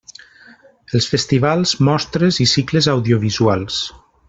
Els festivals, mostres i cicles audiovisuals.